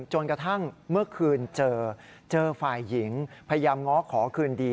จนกระทั่งเมื่อคืนเจอเจอฝ่ายหญิงพยายามง้อขอคืนดี